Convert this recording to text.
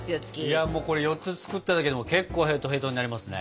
いやもうこれ４つ作っただけでも結構へとへとになりますね。